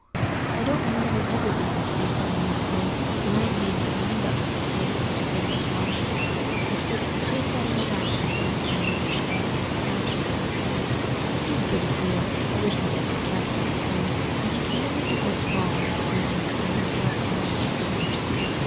I don't remember ever being see saw in that way, when I'd made my mind up, as you say, that a thing was wrong. It takes the taste out o' my mouth for things, when I know I should have a heavy conscience after 'em. I've seen pretty clear, ever since I could cast up a sum, as you can never do what's wrong without breeding sin and trouble more than you can ever see.